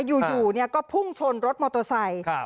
อยู่ก็พุ่งชนรถมอเตอร์ไซค์